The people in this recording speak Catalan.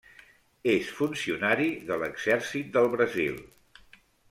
És funcionari de l'exèrcit del Brasil.